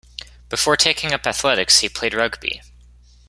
Before taking up athletics, he played rugby.